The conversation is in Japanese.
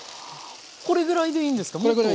これぐらいでいいです。